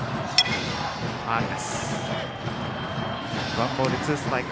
ワンボールツーストライク。